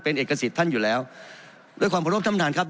เป็นเอกสิทธิ์ท่านอยู่แล้วด้วยความขอรบท่านประธานครับ